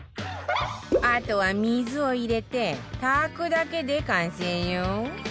あとは水を入れて炊くだけで完成よ